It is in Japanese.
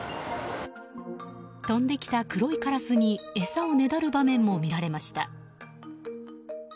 飛んできた黒いカラスに餌をねだる場面も見られました。